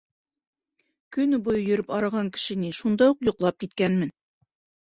Көн буйы йөрөп арыған кеше ни, шунда уҡ йоҡлап киткәнмен.